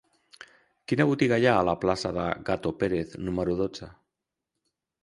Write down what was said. Quina botiga hi ha a la plaça de Gato Pérez número dotze?